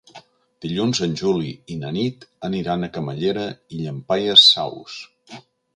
Dilluns en Juli i na Nit aniran a Camallera i Llampaies Saus.